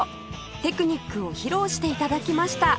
テクニックを披露して頂きました